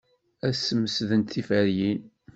Ad smesdent tiferyin.